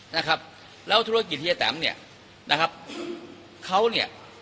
นะครับแล้วธุรกิจเฮียแตมเนี่ยนะครับเขาเนี่ย